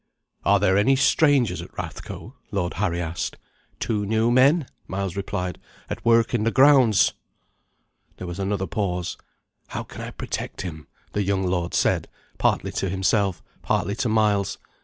"Are there any strangers at Rathco?" Lord Harry asked. "Two new men," Miles replied, "at work in the grounds." There was another pause. "How can I protect him?" the young lord said, partly to himself, partly to Miles.